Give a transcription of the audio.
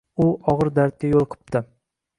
U ogʻir dardga yoʻliqipti...